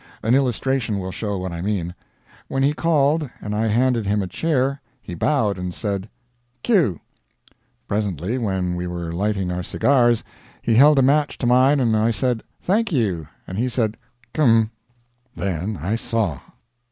An illustration will show what I mean. When he called and I handed him a chair, he bowed and said: "Q." Presently, when we were lighting our cigars, he held a match to mine and I said: "Thank you," and he said: "Km." Then I saw.